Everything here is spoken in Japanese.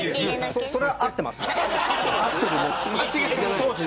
それは合ってますよ。